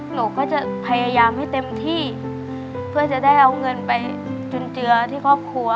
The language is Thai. หนูก็จะพยายามให้เต็มที่เพื่อจะได้เอาเงินไปจุนเจือที่ครอบครัว